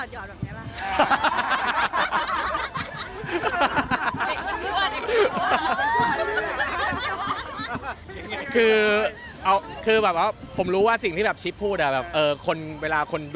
ชูใจไปกำลังที่พักไปใช้